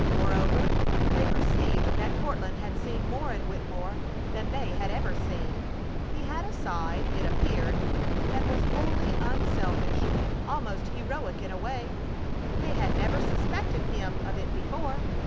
Moreover, they perceived that Courtland had seen more in Wittemore than they had ever seen. He had a side, it appeared, that was wholly unselfish, almost heroic in a way. They had never suspected him of it before.